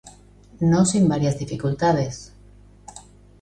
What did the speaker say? No sin varias dificultades.